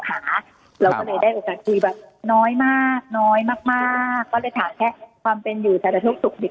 เราก็เลยได้โอกาสคุยแบบน้อยมากน้อยมากก็เลยถามแค่ความเป็นอยู่สารทุกข์สุขดิบ